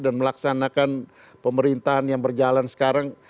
dan melaksanakan pemerintahan yang berjalan sekarang